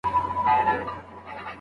کاظم خان شیدا کارولي دي